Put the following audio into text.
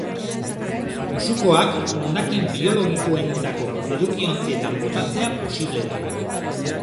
Musukoak hondakin biologikoentzako edukiontzietan botatzea posible da.